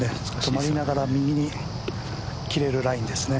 止まりながら右に切れるラインですね。